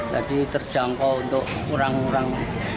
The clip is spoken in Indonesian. jadi terjangkau untuk orang orang